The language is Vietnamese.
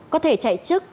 có thể chạy chức